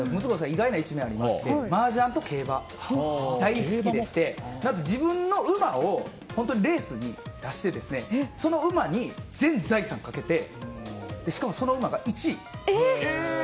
意外な一面ありまして麻雀と競馬が大好きでして何と自分の馬をレースに出してその馬に全財産かけてしかも、その馬が１位。